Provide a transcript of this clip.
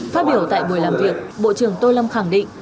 phát biểu tại buổi làm việc bộ trưởng tô lâm khẳng định